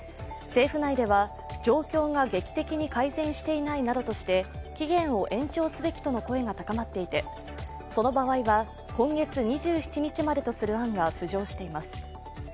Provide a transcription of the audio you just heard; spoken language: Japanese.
政府内では、状況が劇的に改善していないなどとして期限を延長すべきとの声が高まっていて、その場合は、今月２７日までとする案が浮上しています。